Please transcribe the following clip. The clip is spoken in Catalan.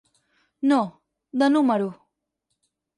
No, de número.